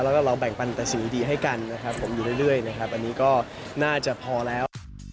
แล้วเราแบ่งปันแต่สิ่งดีให้กันอยู่เรื่อยอันนี้ก็น่าจะพอแล้ว